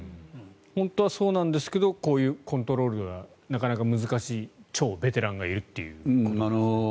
本当はそうなんですけどこういう、コントロールがなかなか難しい超ベテランがいるという。